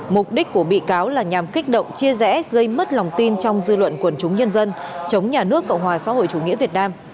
mục đích của bị cáo là nhằm kích động chia rẽ gây mất lòng tin trong dư luận quần chúng nhân dân chống nhà nước cộng hòa xã hội chủ nghĩa việt nam